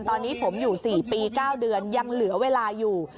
ตอนนี้ผมอยู่๔ปี๙เดือนยังเหลือเวลาอยู่